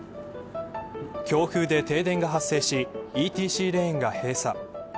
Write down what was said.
強風で停電が発生しＥＴＣレーンが閉鎖。